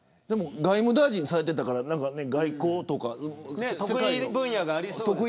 外務大臣をされていたから外交とか得意分野。